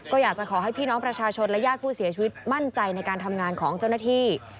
ก็อยากจะขอให้พี่น้องประชาชนและญาติผู้เสียชีวิตมั่นใจในการทำงานของเจ้าหน้าที่